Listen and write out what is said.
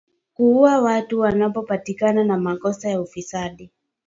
Kuuwa watu wanaopatikana na makosa ya ufisadi